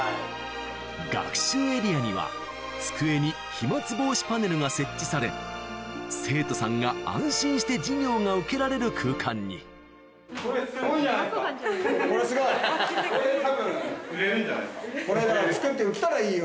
学習エリアには机に飛沫防止パネルが設置され生徒さんが安心して授業が受けられる空間にこれ作って売ったらいいよ